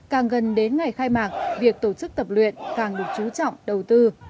càng gần đến ngày khai mạc việc tổ chức tập luyện càng được chú trọng đầu tư